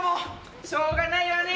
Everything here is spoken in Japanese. しょうがないわね。